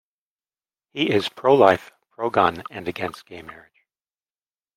He is pro-life, pro-gun and against gay marriage.